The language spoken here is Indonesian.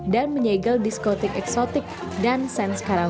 dan menyegel diskotik eksotik dan sens karaoke